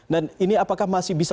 dan ini apakah masih bisa